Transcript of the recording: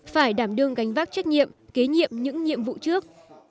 phải đảm đương gánh vác trách nhiệm kế nhiệm những nhiệm vụ trước